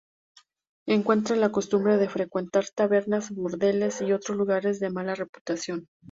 Encuentra la costumbre de frecuentar tabernas, burdeles y otros lugares de mala reputación.